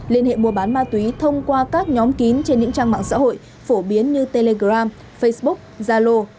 liên hệ mua bán ma túy thông qua các nhóm kín trên những trang mạng xã hội phổ biến như telegram facebook zalo